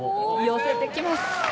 よせてきます。